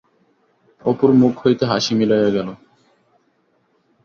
অপুর মুখ হইতে হাসি মিলাইয়া গেল।